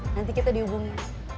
nanti kita dihubungi